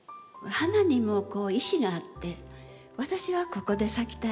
花にも意思があって私はここで咲きたい